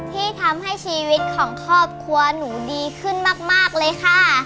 ที่ทำให้ชีวิตของครอบครัวหนูดีขึ้นมากเลยค่ะ